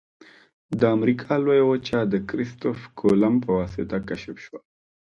د امریکا لویه وچه د کرستف کولمب په واسطه کشف شوه.